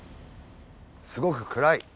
すごく暗い。